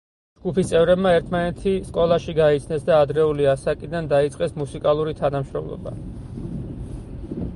ჯგუფის წევრებმა ერთმანეთი სკოლაში გაიცნეს და ადრეული ასაკიდან დაიწყეს მუსიკალური თანამშრომლობა.